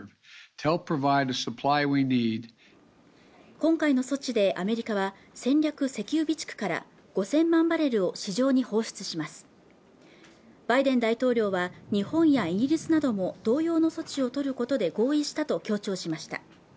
今回の措置でアメリカは戦略石油備蓄から５０００万バレルを市場に放出しますバイデン大統領は日本やイギリスなども同様の措置を取ることで合意したと強調しました